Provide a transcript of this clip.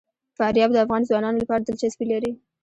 فاریاب د افغان ځوانانو لپاره دلچسپي لري.